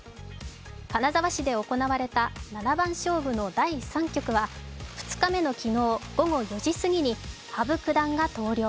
金沢市で行われた七番勝負の第３局は２日目の昨日午後４時すぎに羽生九段が投了。